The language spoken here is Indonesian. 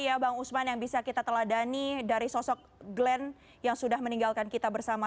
iya bang usman yang bisa kita teladani dari sosok glenn yang sudah meninggalkan kita bersama